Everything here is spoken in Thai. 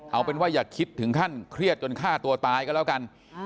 เอาเป็นว่าอย่าคิดถึงขั้นเครียดจนฆ่าตัวตายก็แล้วกัน